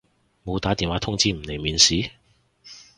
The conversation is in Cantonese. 冇打電話通知唔嚟面試？